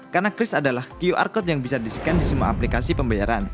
karena kris adalah qr code yang bisa di scan di semua aplikasi pembayaran